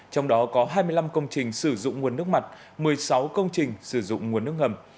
trong đó có hai mươi năm công trình sử dụng nguồn nước mặt một mươi sáu công trình sử dụng nguồn nước ngầm